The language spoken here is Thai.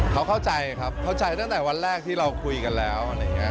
เขาเข้าใจครับเข้าใจตั้งแต่วันแรกที่เราคุยกันแล้วอะไรอย่างนี้